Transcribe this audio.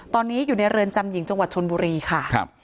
ตอนนี้อยู่ในเรือนจำหญิงจังหวัดชนบุรีค่ะ